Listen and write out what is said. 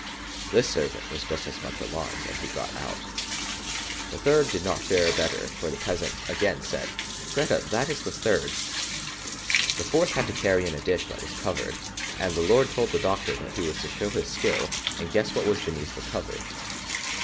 This servant was just as much alarmed, and he got out. The third did not fare better, for the peasant again said, "Grethe, that is the third." The fourth had to carry in a dish that was covered, and the lord told the doctor that he was to show his skill, and guess what was beneath the cover.